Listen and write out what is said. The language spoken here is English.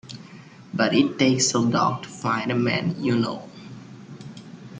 But it takes a dog to find a man, you know.